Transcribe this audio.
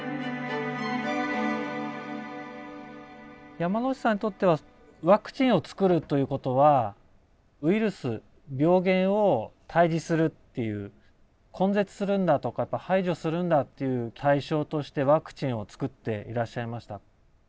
山内さんにとってはワクチンをつくるということはウイルス病原を退治するっていう根絶するんだとか排除するんだっていう対象としてワクチンをつくっていらっしゃいました？